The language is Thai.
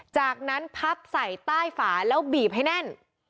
จากนั้นพับใส่ใต้ฝาแล้วบีบให้แน่น